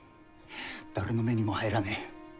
誰の目にも入らねえ。